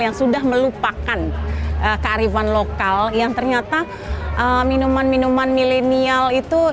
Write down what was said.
yang sudah melupakan kearifan lokal yang ternyata minuman minuman milenial itu